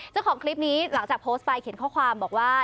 เจ้าของคลิปนี้หลังจากโพสต์ไปเขียนข้อความบอกว่า